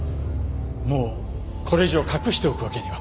もうこれ以上隠しておくわけには。